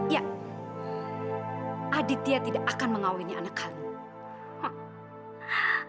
ya aditya tidak akan mengaulinya anak kalian